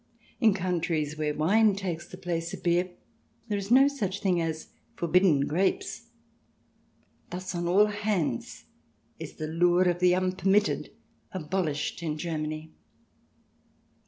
In countries where wine takes the place of beer there is no such thing as forbidden grapes. Thus on all hands is the lure of the unpermitted abolished in Germany.